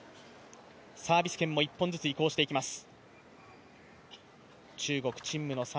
サービス権も１本ずつ移行していきます。